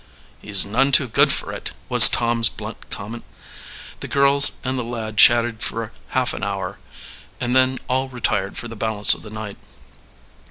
"He's none too good for it," was Tom's blunt comment. The girls and the lad chatted together for half an hour, and then all retired for the balance of the night.